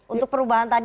untuk perubahan tadi